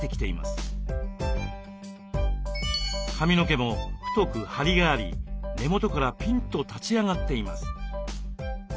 髪の毛も太くハリがあり根元からピンと立ち上がっています。